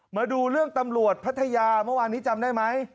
มาดูเรื่องตำรวจพัทยาเมื่อวานนี้จำได้ไหม